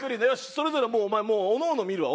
それぞれもうお前おのおの見るわ。